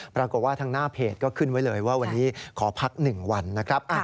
ปรากฏว่าทางหน้าเพจก็ขึ้นไว้เลยว่าวันนี้ขอพัก๑วันนะครับ